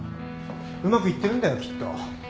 うまくいってるんだよきっと。